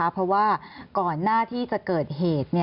เพราะว่าก่อนหน้าที่จะเกิดเหตุ